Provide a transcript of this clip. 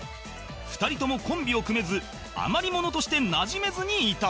２人ともコンビを組めず余り者としてなじめずにいた